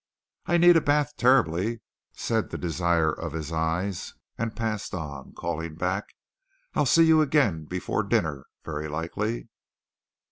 "I need a bath terribly," said the desire of his eyes, and passed on, calling back: "I'll see you again before dinner, very likely."